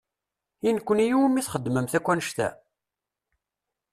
I nekni i wumi txedmemt akk annect-a?